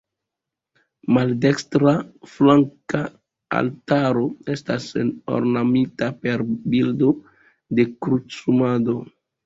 Maldekstra flanka altaro estas ornamita per bildo de Krucumado.